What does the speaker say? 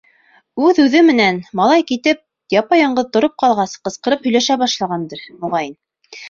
Үҙ-үҙе менән, малай китеп, япа-яңғыҙ тороп ҡалғас, ҡысҡырып һөйләшә башлағандыр, моғайын.